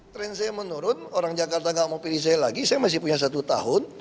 trend saya menurun orang jakarta gak mau pilih saya lagi saya masih punya satu tahun